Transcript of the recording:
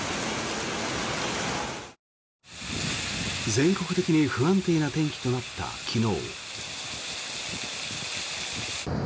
全国的に不安定な天気となった昨日。